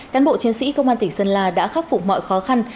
cán bộ chiến sĩ công an tỉnh sơn la đã khắc phục mọi khó khăn